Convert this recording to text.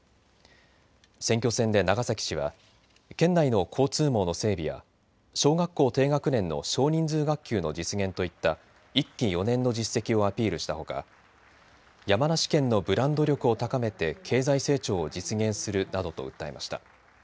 選挙戦で長崎氏は県内の交通網の整備や小学校低学年の少人数学級の実現といった１期４年の実績をアピールしたほか山梨県のブランド力を高めて経済成長を実現するとなどと訴えました。